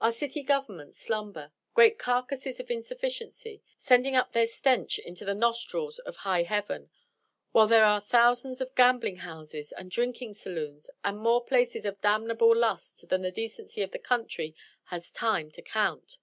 Our city governments slumber great carcasses of insufficiency, sending up their stench into the nostrils of high heaven, while there are thousands of gambling houses, and drinking saloons, and more places of damnable lust than the decency of the country has time to count.